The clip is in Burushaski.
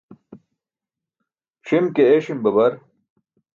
Ṣim ke eeṣim babar.